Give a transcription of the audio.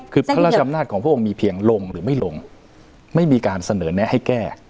คือพระราชอำนาจของพระองค์มีเพียงลงหรือไม่ลงไม่มีการเสนอแนะให้แก้